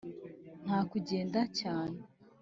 nta kugenda cyane,